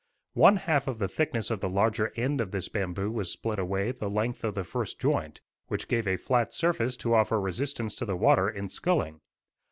One half of the thickness of the larger end of this bamboo was split away the length of the first joint, which gave a flat surface to offer resistance to the water in sculling.